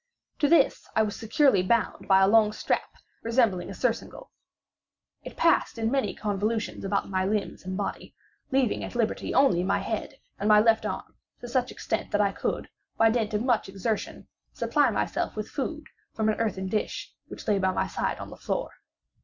To this I was securely bound by a long strap resembling a surcingle. It passed in many convolutions about my limbs and body, leaving at liberty only my head, and my left arm to such extent that I could, by dint of much exertion, supply myself with food from an earthen dish which lay by my side on the floor.